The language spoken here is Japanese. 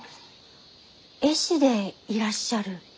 絵師でいらっしゃる？